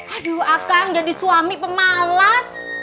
aduh akan jadi suami pemalas